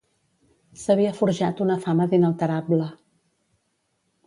S'havia forjat una fama d'inalterable.